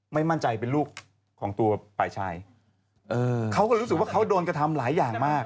ไม่มั่นใจเป็นลูกของตัวฝ่ายชายเออเขาก็รู้สึกว่าเขาโดนกระทำหลายอย่างมาก